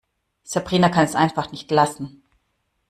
Sabrina kann es einfach nicht lassen.